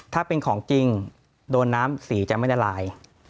ถ้าเป็นของจริงโดนน้ำสีจะไม่ละลาย